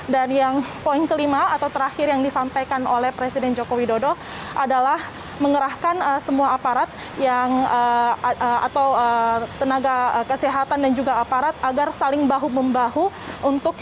dan yang poin kelima atau terakhir yang disampaikan oleh presiden jokowi dodo adalah mengerahkan semua aparat atau tenaga kesehatan dan juga aparat agar saling bahu membahu